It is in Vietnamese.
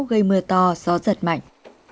gây mưa to gió giật mạnh